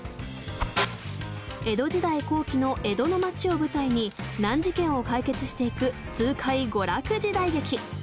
江戸時代後期の江戸の町を舞台に難事件を解決していく痛快娯楽時代劇。